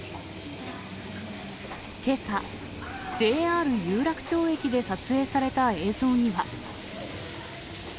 けさ、ＪＲ有楽町駅で撮影された映像には。